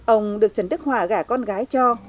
ông được trần đức hòa gả con gái cho